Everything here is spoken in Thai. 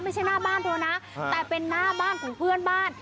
ไม่ใช่หน้าบ้านเธอนะแต่เป็นหน้าบ้านของเพื่อนบ้าน